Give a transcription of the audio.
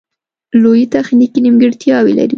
لویې تخنیکې نیمګړتیاوې لري